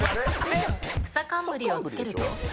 くさかんむりをつけると？